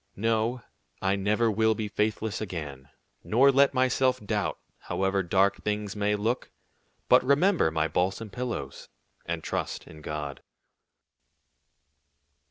No, I never will be faithless again, nor let myself doubt, however dark things may look, but remember my balsam pillows, and trust in God."